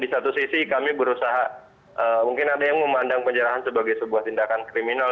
di satu sisi kami berusaha mungkin ada yang memandang penjarahan sebagai sebuah tindakan kriminal